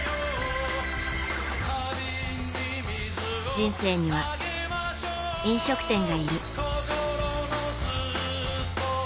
人生には、飲食店がいる。